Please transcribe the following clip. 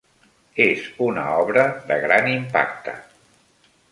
És una obra de gran impacte.